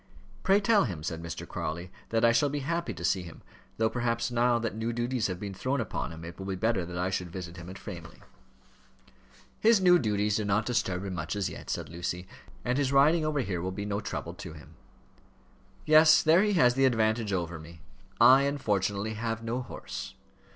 "Pray tell him," said Mr. Crawley, "that I shall be happy to see him; though, perhaps, now that new duties have been thrown upon him, it will be better that I should visit him at Framley." "His new duties do not disturb him much as yet," said Lucy. "And his riding over here will be no trouble to him." "Yes; there he has the advantage over me. I unfortunately have no horse."